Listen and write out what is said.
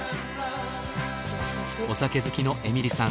お酒好きのエミリさん